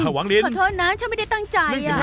หวังลินขอโทษนะฉันไม่ได้ตั้งใจ